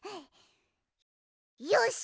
よし！